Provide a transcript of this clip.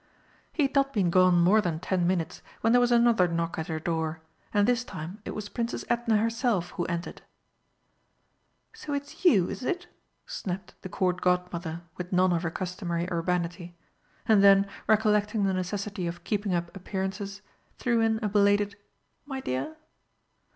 He had not been gone more than ten minutes when there was another knock at her door, and this time it was Princess Edna herself who entered. "So it's you, is it?" snapped the Court Godmother, with none of her customary urbanity. And then, recollecting the necessity of keeping up appearances, threw in a belated "my dear."